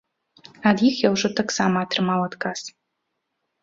Ад іх я ўжо таксама атрымаў адказ.